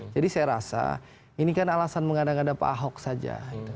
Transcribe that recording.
jadi saya rasa ini kan alasan mengandang andang pak ahok saja